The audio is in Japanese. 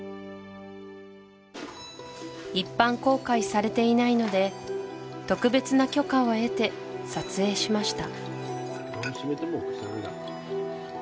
一般公開されていないので特別な許可を得て撮影しました